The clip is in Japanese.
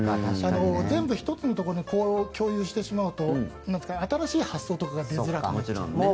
全部１つのところに共有してしまうと新しい発想とかが出づらくなっちゃう。